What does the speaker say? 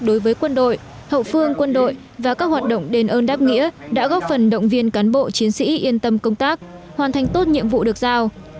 đối với quân đội hậu phương quân đội và các hoạt động đền ơn đáp nghĩa đã góp phần động viên cán bộ chiến sĩ yên tâm công tác hoàn thành tốt nhiệm vụ được giao